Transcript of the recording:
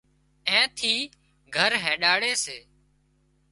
اين ٿي گھر هينڏاڙي سي